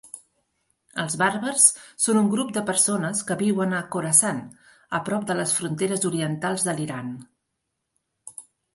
Els bàrbars són un grup de persones que viuen a Khorasan, a prop de les fronteres orientals de l'Iran.